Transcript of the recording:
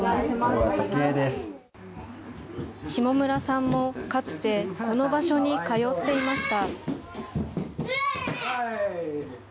下村さんもかつてこの場所に通っていました。